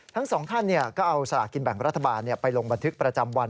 ทั้งสองท่านก็เอาสลากกินแบ่งรัฐบาลไปลงบันทึกประจำวัน